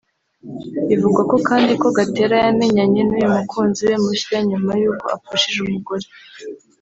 Bivugwa kandi ko Gatera yamenyanye n’uyu mukunzi we mushya nyuma y’uko apfushije umugore